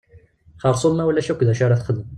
Xersum ma ulac akk d acu ara texdem.